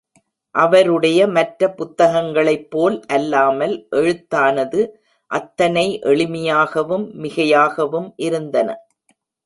அவருடைய மற்ற புத்தகங்களைப் போல் அல்லாமல் எழுத்தானது, அத்தனை எளிமையாகவும் மிகையாகவும் இருந்தன.